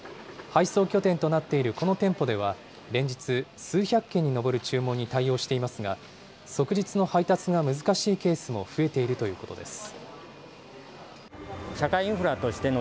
配送拠点となっているこの店舗では連日、数百件に上る注文に対応していますが即日の配達が難しいケースも増えているということです。